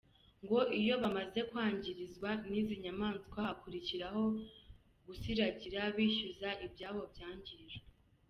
Ngo iyo bamaze kwangirizwa n’ izi nyamaswa hakurikiraho gusiragira bishyuza ibyabo byangijwe.